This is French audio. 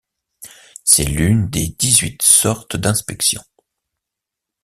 C'est l'une des dix-huit sortes d'inspection.